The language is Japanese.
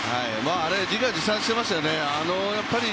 あれは自画自賛していましたよね。